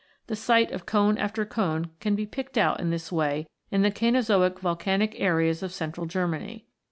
The site of cone after cone can be picked out in this way in the Cainozoic volcanic areas of central Germany.